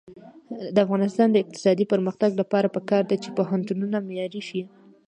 د افغانستان د اقتصادي پرمختګ لپاره پکار ده چې پوهنتونونه معیاري شي.